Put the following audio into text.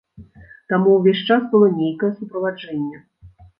Таму ўвесь час было нейкае суправаджэнне.